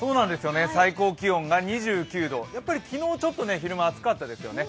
最高気温が２９度、やっぱり昨日ちょっと昼間は暑かったですよね。